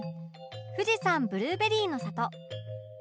富士山ブルーベリーの里